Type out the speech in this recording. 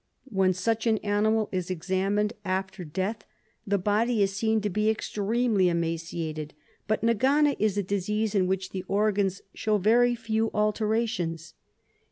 When such an animal is examined after death the body is seen to be extremely emaciated, but nag ana is a disease in which the organs show very few alterations.